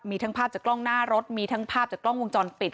มีทั้งภาพจากกล้องหน้ารถมีทั้งภาพจากกล้องวงจรปิด